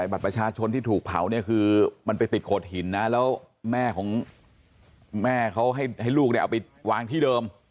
บัตรประชาชนที่ถูกเผาเนี่ยคือมันไปติดโขดหินนะแล้วแม่ของแม่เขาให้ลูกเนี่ยเอาไปวางที่เดิม